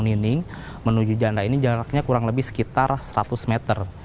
warung ibu nining menuju jalan raya ini jaraknya kurang lebih sekitar seratus meter